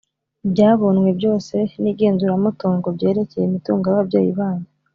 ibyabonwe byose nigenzuramutungo byerekeye imitungo yababyeyi banyu